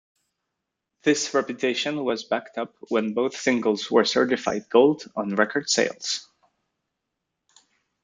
This reputation was backed up when both singles were certified Gold on record sales.